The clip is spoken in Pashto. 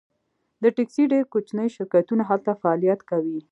د ټکسي ډیر کوچني شرکتونه هلته فعالیت کوي